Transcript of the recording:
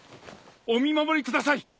お見守りください。